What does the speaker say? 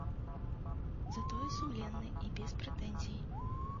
Затое сумленны і без прэтэнзій.